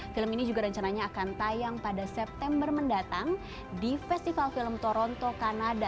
film ini juga rencananya akan tayang pada september mendatang di festival film toronto kanada